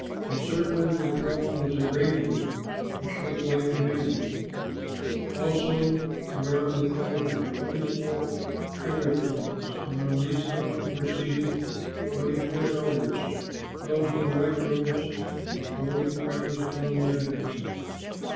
Encircling the throne was a rainbow which looked like an emerald; also around the throne were twenty four other thrones, and on these thrones were seated twenty four elders, clothed in white robes with golden crowns upon their heads.